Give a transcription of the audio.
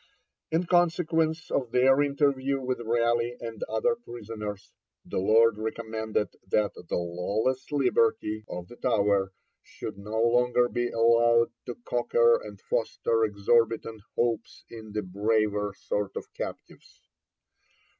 In consequence of their interview with Raleigh and other prisoners, the Lords recommended that 'the lawless liberty' of the Tower should no longer be allowed to cocker and foster exorbitant hopes in the braver sort of captives.